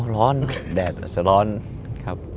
ร้อนแดดอาจจะร้อนครับ